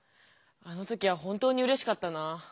あの時は本当にうれしかったなぁ。